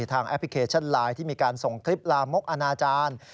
แอปพลิเคชันไลน์ที่มีการส่งคลิปลามกอนาจารย์